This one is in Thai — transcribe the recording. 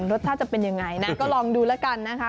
รสชาติจะเป็นยังไงนะก็ลองดูแล้วกันนะคะ